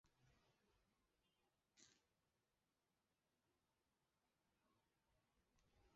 德布罗意关系式将普朗克关系式推广至物质波。